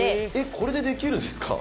これでできるんですか？」